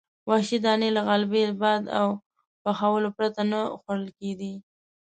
وحشي دانې له غلبیل، باد او پخولو پرته نه خوړل کېدې.